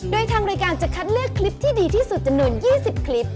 โดยทางรายการจะคัดเลือกคลิปที่ดีที่สุดจำนวน๒๐คลิป